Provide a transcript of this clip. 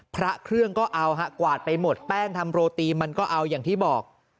พระเครื่องก็เอาฮะกวาดไปหมดแป้งทำโรตีมันก็เอาอย่างที่บอก